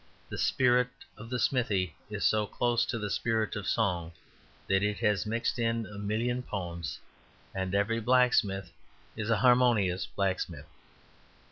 The spirit of the smithy is so close to the spirit of song that it has mixed in a million poems, and every blacksmith is a harmonious blacksmith.